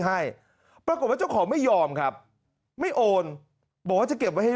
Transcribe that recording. ให้ปรากฏว่าเจ้าของไม่ยอมครับไม่โอนบอกว่าจะเก็บไว้ให้